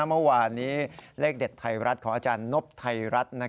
เมื่อวานนี้เลขเด็ดไทยรัฐของอาจารย์นพไทยรัฐ